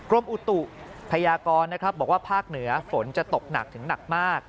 อุตุพยากรนะครับบอกว่าภาคเหนือฝนจะตกหนักถึงหนักมาก